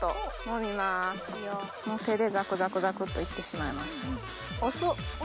もう手でザクザクザクっと行ってしまいます。